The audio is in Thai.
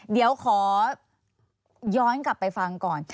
เดี๋ยวขอย้อนกลับไปฟังก่อน